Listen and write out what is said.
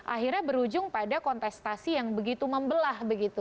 akhirnya berujung pada kontestasi yang begitu membelah begitu